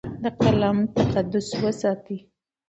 د قلم تقدس وساتئ.